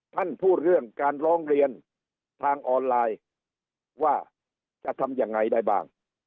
ท่านพูดเรื่องการร้องเรียนทางออนไลน์ว่าจะทำยังไงได้บ้าง